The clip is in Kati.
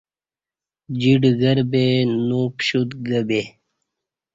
جی ڈگربے نو پشُت گہ یے